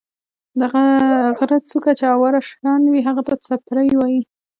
د غرۀ څُوكه چې اواره شان وي هغې ته څپرے وائي۔